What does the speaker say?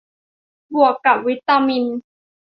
บวกกับวิตามิน